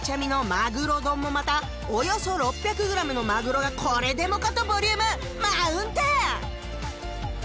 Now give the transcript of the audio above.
「まぐろ丼」もまたおよそ６００グラムのマグロがこれでもかとボリュームマウンテン